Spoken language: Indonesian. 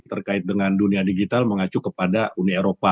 terkait dengan dunia digital mengacu kepada uni eropa